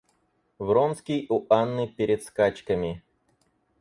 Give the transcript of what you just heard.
Вронский у Анны перед скачками.